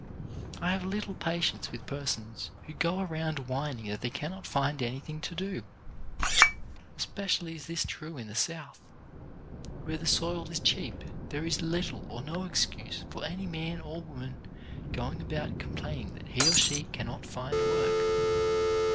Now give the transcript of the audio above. I have little patience with persons who go around whining that they cannot find anything to do. Especially is this true in the South. Where the soil is cheap there is little or no excuse for any man or woman going about complaining that he or she cannot find work.